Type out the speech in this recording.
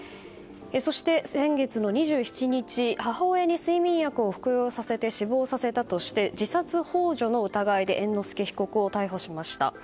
そして、先月２７日母親に睡眠薬を服用させて死亡させたとして自殺幇助の疑いで猿之助被告を逮捕しました。